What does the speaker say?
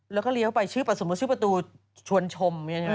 แล้วก็เลี้ยวไปสมมติชื่อประตูชวนชม